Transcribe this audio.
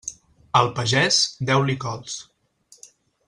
Al pagès, deu-li cols.